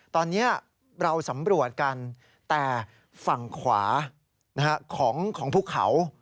ตอนนี้เราสำรวจกันแต่ฝั่งขวาของภูเขา